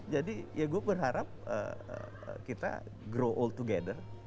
jadi ya gue berharap kita grow old together